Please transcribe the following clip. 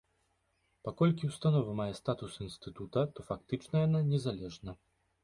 Паколькі ўстанова мае статус інстытута, то фактычна яна незалежна.